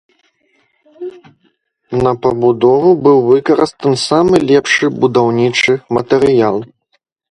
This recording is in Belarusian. На пабудову быў выкарыстан самы лепшы будаўнічы матэрыял.